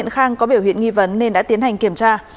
khang có biểu hiện nghi vấn nên đã tiến hành kiểm tra